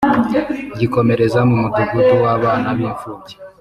gikomereze mu mudugudu w’abana b’imfubyi